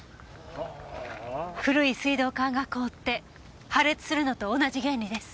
古い水道管が凍って破裂するのと同じ原理です。